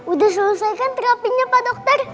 udah selesaikan terapingnya pak dokter